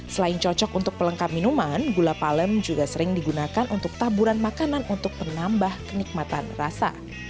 selain cocok untuk pelengkap minuman gula palem juga sering digunakan untuk taburan makanan untuk penambah kenikmatan rasa